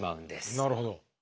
なるほど。